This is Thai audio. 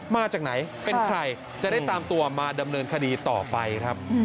มาจากไหนเป็นใครจะได้ตามตัวมาดำเนินคดีต่อไปครับ